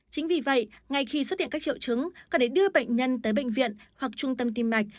chính vì vậy ngay khi xuất hiện các triệu chứng cần để đưa bệnh nhân tới bệnh viện hoặc trung tâm tim mạch